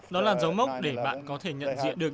đó là dấu mốc để bạn có thể nhận diện được